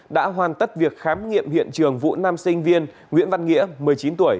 đã hoàn tất việc khám nghiệm hiện trường vụ nam sinh viên nguyễn văn nghĩa một mươi chín tuổi